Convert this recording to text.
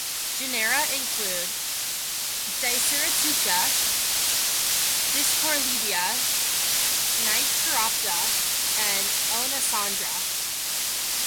Genera include "Diceratucha", "Discophlebia", "Nycteropa", and "Oenosandra".